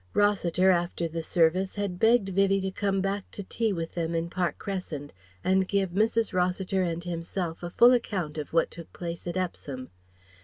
Rossiter, after the service, had begged Vivie to come back to tea with them in Park Crescent and give Mrs. Rossiter and himself a full account of what took place at Epsom.